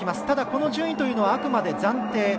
ただ、この順位というのはあくまで暫定。